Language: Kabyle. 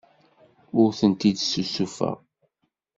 Ur tent-id-ssusufeɣ.